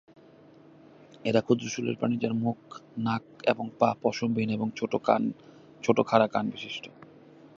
এরা ক্ষুদ্র-শরীরের প্রাণী যার মুখ, নাক এবং পা পশম বিহীন এবং ছোট খাড়া কান বিশিষ্ট।